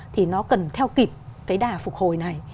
thì nó cần theo kịp cái đà phục hồi này